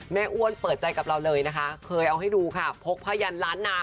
อ้วนเปิดใจกับเราเลยนะคะเคยเอาให้ดูค่ะพกผ้ายันล้านนา